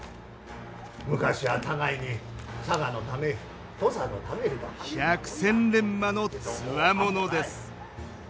昔は互いに佐賀のため土佐のため。のつわものです。